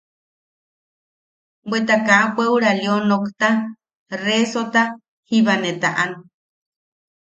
Bweta kaa bweʼura Lio nokta, resota jiba ne taʼan.